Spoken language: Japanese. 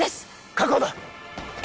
確保だ！